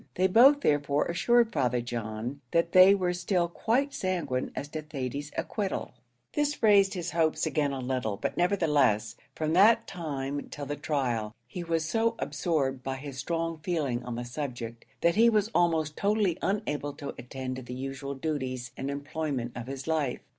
They both, therefore, assured Father John that they were still quite sanguine as to Thady's acquittal. This raised his hopes again a little, but nevertheless, from that time till the trial, he was so absorbed by his strong feeling on the subject, that he was almost totally unable to attend to the usual duties and employment of his life.